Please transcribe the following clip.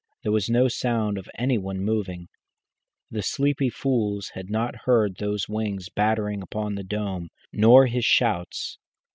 There was no sound of any one moving. The sleepy fools had not heard those wings battering upon the dome, nor his shouts.